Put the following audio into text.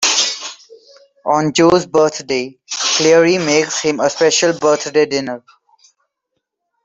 On Joe's birthday, Claire makes him a special birthday dinner.